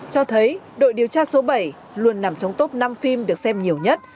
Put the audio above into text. cho thấy đội điều tra số bảy luôn nằm trong top năm phim được xem nhiều nhất